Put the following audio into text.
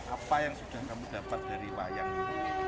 apa yang sudah kamu dapat dari wayang ini